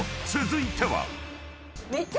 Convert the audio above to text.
［続いては］何？